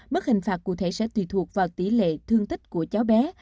mức hình phạt cụ thể sẽ tùy thuộc vào tỷ lệ thương tích của cháu bé